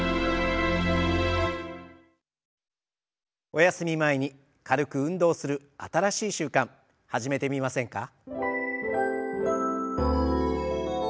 おやすみ前に軽く運動する新しい習慣始めてみませんか？